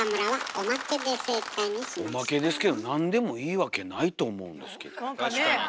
おまけですけどなんでもいいわけないと思うんですけど。